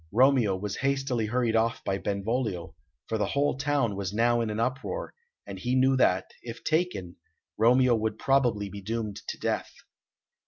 Romeo was hastily hurried off by Benvolio, for the whole town was now in an uproar, and he knew that, if taken, Romeo would probably be doomed to death.